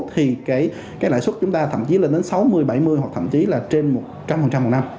thì cái lãi suất chúng ta thậm chí là đến sáu mươi bảy mươi hoặc thậm chí là trên một trăm linh một năm